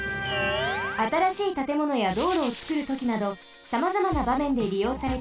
あたらしいたてものやどうろをつくるときなどさまざまなばめんでりようされています。